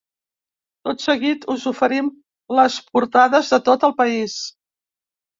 Tot seguit us oferim les portades de tot el país.